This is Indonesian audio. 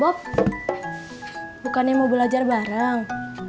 bob bukan mau belajar bareng